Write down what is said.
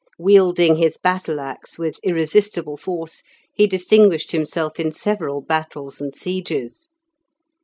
Wielding his battle axe with irresistible force, he distinguished himself in several battles and sieges.